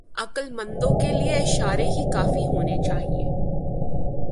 عقلمندوں کے لئے اشارے ہی کافی ہونے چاہئیں۔